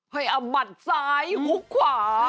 เฮ้ยอำบัดซ้ายหกขวา